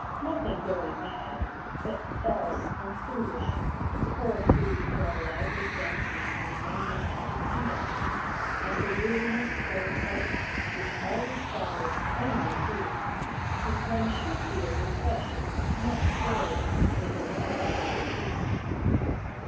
Nothing very bad, but false and foolish, poor food for a lively fancy and young mind to feed on, as the weariness or excitement which always followed plainly proved, since one should feel refreshed, not cloyed, with an intellectual feast.